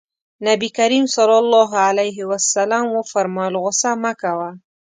نبي کريم ص وفرمايل غوسه مه کوه.